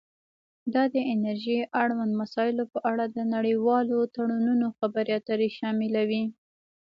دا د انرژۍ اړوند مسایلو په اړه د نړیوالو تړونونو خبرې اترې شاملوي